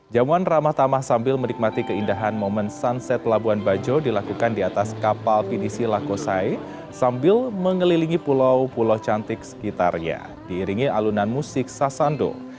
jamuan ramah tamah sambil menikmati keindahan momen sunset labuan bajo dilakukan di atas kapal pinisi lakosai sambil mengelilingi pulau pulau cantik sekitarnya diiringi alunan musik sasando